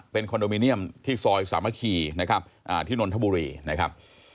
เป็นคอนโดมิเนียมที่ซอยสามัคคีนะครับที่นนทบุรีนะครับ